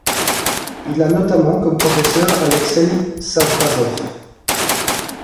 Il a notamment comme professeur Alexeï Savrassov.